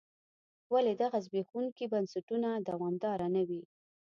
ولې دغه زبېښونکي بنسټونه دوامداره نه وي.